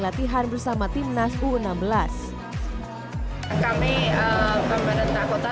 latihan bersama timnas u enam belas kami pemerintah kota